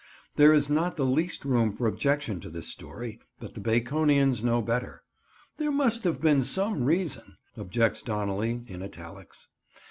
There is not the least room for objection to this story; but the Baconians know better. "There must have been some reason," objects Donnelly, in italics.